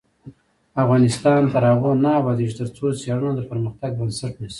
افغانستان تر هغو نه ابادیږي، ترڅو څیړنه د پرمختګ بنسټ نشي.